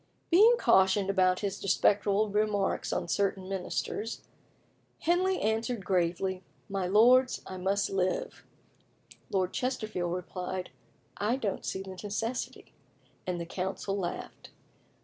Being cautioned about his disrespectful remarks on certain ministers, Henley answered gravely, "My lords, I must live." Lord Chesterfield replied, "I don't see the necessity," and the council laughed.